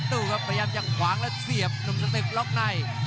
ดูครับพยายามจะขวางแล้วเสียบหนุ่มสตึกล็อกใน